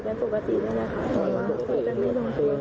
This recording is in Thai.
ก็ต่อยกันปกตินั่นแหละค่ะ